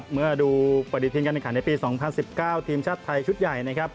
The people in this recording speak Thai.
เมื่อดูปฏิทินการการในปี๒๐๑๙ทีมชาติไทยชุดใหญ่